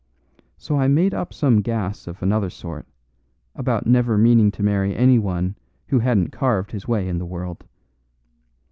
So I made up some gas of another sort, about never meaning to marry anyone who hadn't carved his way in the world.